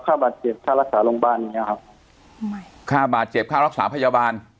ค่าบาดเจ็บค่ารักษาโรงพยาบาลอย่างเงี้ยครับไม่ค่าบาดเจ็บค่ารักษาพยาบาล